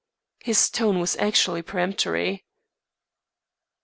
His tone was actually peremptory.